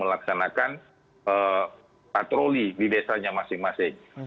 pertama kita harus melakukan pemerintah yang menggunakan patroli di desanya masing masing